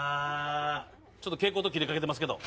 「ちょっと蛍光灯切れかけてますけど」